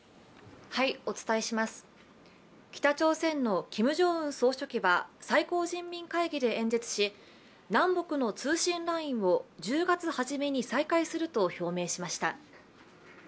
北朝鮮のキム・ジョンウン総書記は最高人民会議で演説し南北の通信ラインを１０月初めに再開すると表明しました。